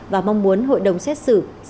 và mong muốn hội đồng xét xử